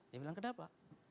dia bilang kenapa